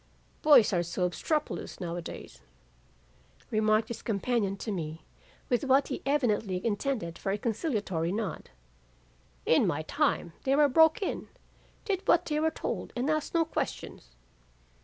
"'Boys are so obstropolous now a days,' remarked his companion to me with what he evidently intended for a conciliatory nod. 'In my time they were broke in, did what they were told and asked no questions.